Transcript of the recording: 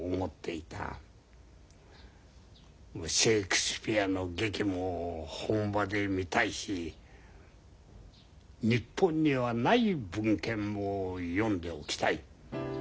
シェークスピアの劇も本場で見たいし日本にはない文献も読んでおきたい。